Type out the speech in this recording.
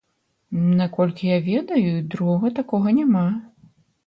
Наколькі я ведаю, другога такога няма.